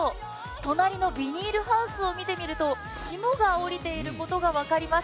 隣のビニールハウスを見てみると霜が降りていることが分かります。